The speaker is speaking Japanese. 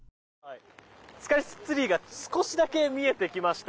スカイツリーが少しだけ見えてきました。